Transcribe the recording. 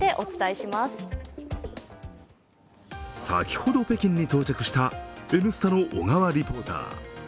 先ほど北京に到着した「Ｎスタ」の小川リポーター。